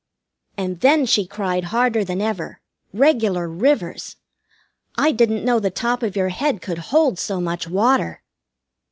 And then she cried harder than ever. Regular rivers. I didn't know the top of your head could hold so much water.